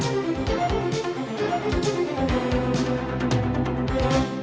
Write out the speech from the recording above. hẹn gặp lại